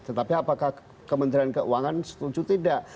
tetapi apakah kementerian keuangan setuju tidak